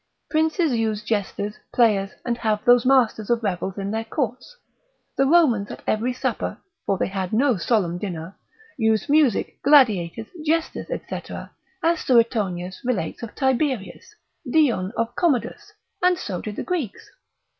Princes use jesters, players, and have those masters of revels in their courts. The Romans at every supper (for they had no solemn dinner) used music, gladiators, jesters, &c. as Suetonius relates of Tiberius, Dion of Commodus, and so did the Greeks.